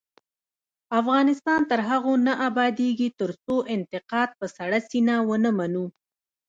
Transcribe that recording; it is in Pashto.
افغانستان تر هغو نه ابادیږي، ترڅو انتقاد په سړه سینه ونه منو.